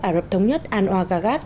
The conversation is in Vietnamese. ả rập thống nhất anwar gagat